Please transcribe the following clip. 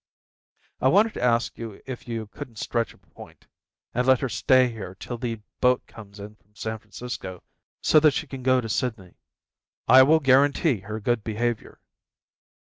"I wanted to ask you if you couldn't stretch a point and let her stay here till the boat comes in from San Francisco so that she can go to Sydney. I will guarantee her good behaviour."